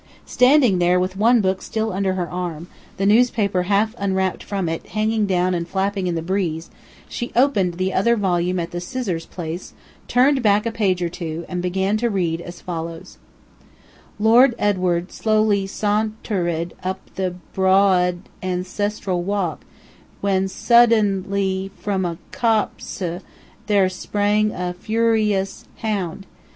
Standing there with one book still under her arm, the newspaper half unwrapped from it, hanging down and flapping in the breeze, she opened the other volume at the scissors place, turned back a page or two, and began to read as follows: "Lord Edward slowly san ter ed up the bro ad anc es tral walk, when sudden ly from out a cop se, there sprang a fur i ous hound.